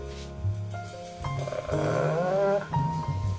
へえ。